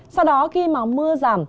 sau đó khi mà mưa giảm